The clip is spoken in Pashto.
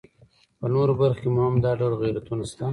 په نورو برخو کې مو هم دا ډول غیرتونه شته.